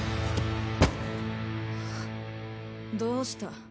どうした？